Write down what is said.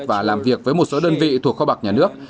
và làm việc với một số đơn vị thuộc kho bạc nhà nước